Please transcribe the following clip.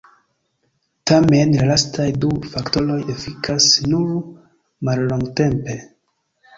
Tamen la lastaj du faktoroj efikas nur mallongtempe.